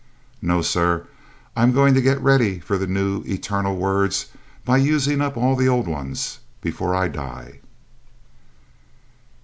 No, sir. I'm going to get ready for the new eternal words by using up all the old ones before I die."